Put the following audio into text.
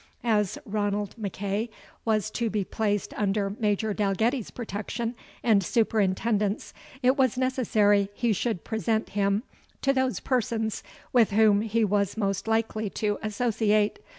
As Ranald MacEagh was to be placed under Major Dalgetty's protection and superintendence, it was necessary he should present him to those persons with whom he was most likely to associate.